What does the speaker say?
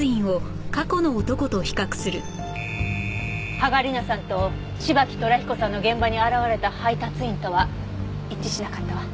芳賀理菜さんと芝木寅彦さんの現場に現れた配達員とは一致しなかったわ。